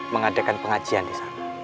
mengadakan pengajian disana